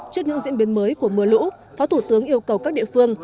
trước những diễn biến mới của mưa lũ phó thủ tướng yêu cầu các địa phương